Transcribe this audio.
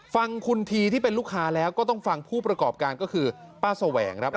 ฟังคุณทีที่เป็นลูกค้าแล้วก็ต้องฟังผู้ประกอบการก็คือป้าแสวงครับ